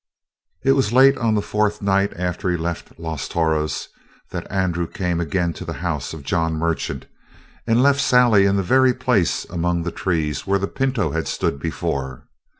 It was late on the fourth night after he left Los Toros that Andrew came again to the house of John Merchant and left Sally in the very place among the trees where the pinto had stood before.